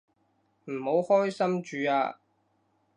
唔好開心住啊